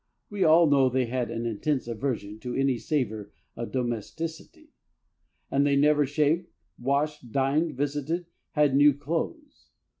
We all know they had an intense aversion to any savour of domesticity, and they never shaved, washed, dined, visited, had new clothes.